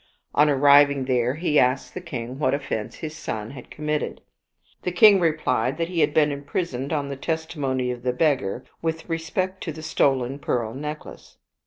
On arriving there, he asked the king wHat offense his son had com mitted. The king replied that he had been imprisoned on the testimony of the beggar with respect to the stolen pearl necklace.